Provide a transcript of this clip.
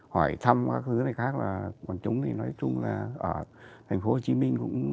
hỏi thăm các thứ này khác là còn chúng thì nói chung là ở thành phố hồ chí minh cũng